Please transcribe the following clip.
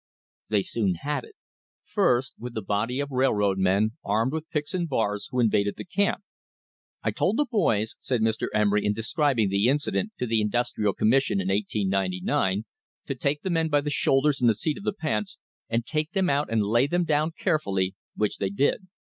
They soon had it. First, A MODERN WAR FOR INDEPENDENCE with a body of railroad men armed with picks and bars, who invaded the camp. "I told the boys," said Mr. Emery in describing the incident to the Industrial Commission in 1899, " to take tne me n by the shoulders and the seat of the pants, and take them out and lay them down carefully, which they did."